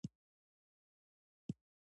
ښه زده کوونکي پر ځان باندې باور لري.